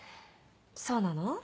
そうなの？